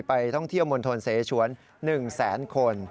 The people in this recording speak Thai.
ไปท่องเที่ยวมณฑลเสชวน๑แสนคน